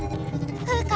フウカ